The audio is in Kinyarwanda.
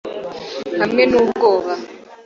hamwe nubwoba